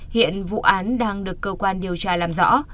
hiện vụ án đang được cơ quan điều tra làm rõ